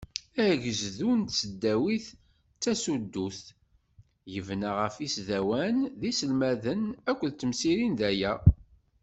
Agezdu n tesdawit d tasudut, yebna ɣef yisdawen d yiselmaden akked temsirin daya.